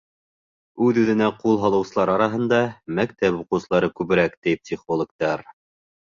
Үҙ-үҙенә ҡул һалыусылар араһында мәктәп уҡыусылары күберәк, ти психологтар.